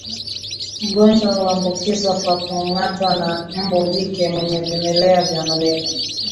mgonjwa huambukizwa kwa kungatwa na mbu jike mwenye vimelea vya malaria